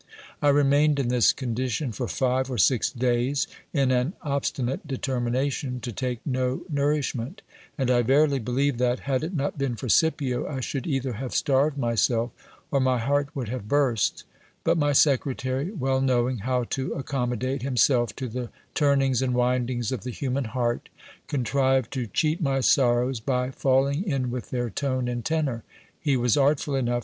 I remained in this condition for five or six days, in an obstinate determination to take no nourishment ; and I verily believe that, had it not been for Scipio, I should either have starved myself, or my heart would have burst ; but my secretary, well knowing how to accom modate himself to the turnings and windings of the human heart, contrived to cheat my sorrows by falling in with their tone and tenor : he was artful enough GIL BLAS OVERWHELMED WITH AFFLICTION.